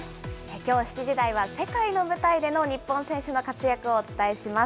きょう７時台は世界の舞台での日本選手の活躍をお伝えします。